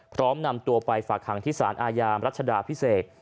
พร้อมนำตัวไปฝากค่างทฤษานอายามรัชดาพิเศก